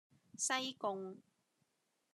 西貢